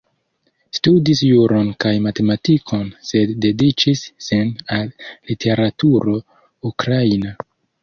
Studis juron kaj matematikon, sed dediĉis sin al literaturo ukraina.